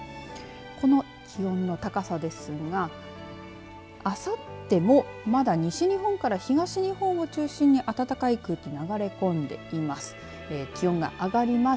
この気温の高さですがあさっても、まだ西日本から東日本を中心に暖かい空気が流れ込んでいます。